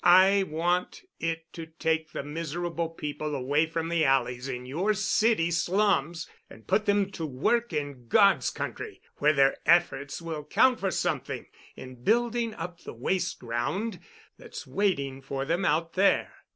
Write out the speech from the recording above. I want it to take the miserable people away from the alleys in your city slums and put them to work in God's country, where their efforts will count for something in building up the waste ground that's waiting for them out there.